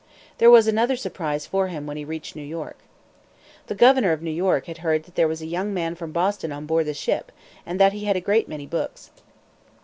There was another surprise for him when he reached New York. The governor of New York had heard that there was a young man from Boston on board the ship, and that he had a great many books.